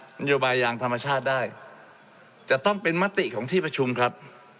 นโยบายอย่างธรรมชาติได้จะต้องเป็นมติของที่ประชุมครับ